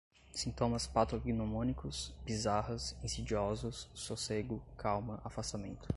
sintomas patognomônicos, bizarras, insidiosos, sossego, calma, afastamento